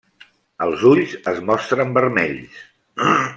Els ulls es mostren vermells.